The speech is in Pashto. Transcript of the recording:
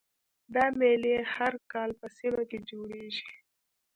دا میلې هر کال په سیمه کې جوړیږي